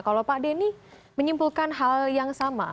kalau pak denny menyimpulkan hal yang sama